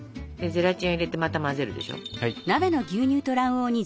ゼラチンを入れてまた混ぜるでしょ。